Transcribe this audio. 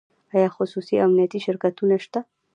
آیا خصوصي امنیتي شرکتونه شته؟